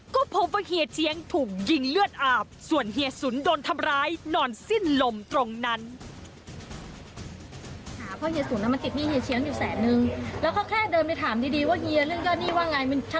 ก็พบว่าเฮียเจี๊ยงถูกยิงเลือดอาบส่วนเฮียสุนโดนทำร้ายนอนสิ้นลมตรงนั้น